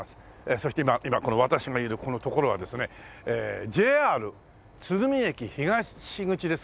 そして今私がいるこの所はですねＪＲ鶴見駅東口ですか？